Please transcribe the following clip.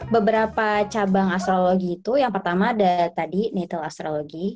beberapa cabang astrologi itu yang pertama ada tadi natal astrologi